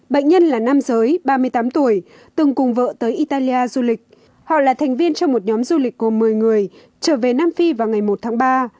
bệnh nhân là nam giới ba mươi tám tuổi từng cùng vợ tới italia du lịch họ là thành viên trong một nhóm du lịch gồm một mươi người trở về nam phi vào ngày một tháng ba